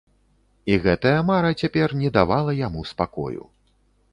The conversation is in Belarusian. І гэтая мара цяпер не давала яму спакою.